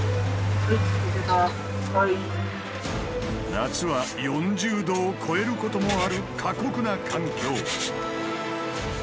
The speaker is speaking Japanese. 夏は４０度を超えることもある過酷な環境。